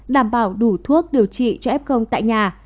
đảm bảo đủ thuốc điều trị cho f tại nhà